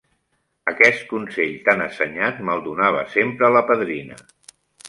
Aquest consell tan assenyat me'l donava sempre la padrina.